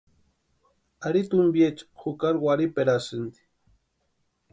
Ari tumpiecha jukari warhiperasïnti.